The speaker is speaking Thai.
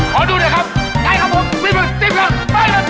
ขอดูหน่อยครับ